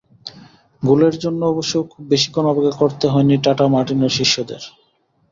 গোলের জন্য অবশ্য খুব বেশিক্ষণ অপেক্ষা করতে হয়নি টাটা মার্টিনোর শিষ্যদের।